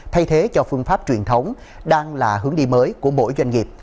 thay thế cho phương pháp truyền thống đang là hướng đi mới của mỗi doanh nghiệp